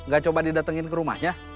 gak coba didatengin ke rumahnya